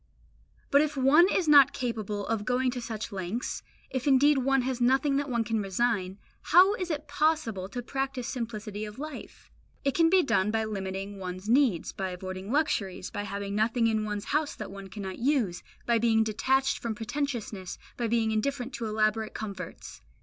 But if one is not capable of going to such lengths, if indeed one has nothing that one can resign, how is it possible to practise simplicity of life? It can be done by limiting one's needs, by avoiding luxuries, by having nothing in one's house that one cannot use, by being detached from pretentiousness, by being indifferent to elaborate comforts.